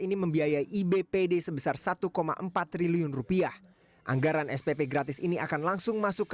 ini membiayai ibpd sebesar satu empat triliun rupiah anggaran spp gratis ini akan langsung masuk ke